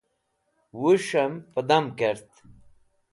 wush'em pudam kert